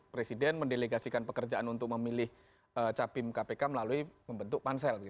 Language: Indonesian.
presiden mendelegasikan pekerjaan untuk memilih capim kpk melalui membentuk pansel